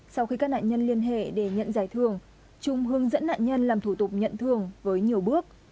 sau khi các nạn nhân liên hệ để nhận giải thương chúng hướng dẫn nạn nhân làm thủ tục nhận thương với nhiều bước